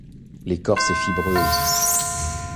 L'écorce est fibreuse.